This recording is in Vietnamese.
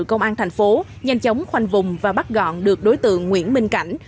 công an thành phố nhanh chóng khoanh vùng và bắt gọn được đối tượng nguyễn minh cảnh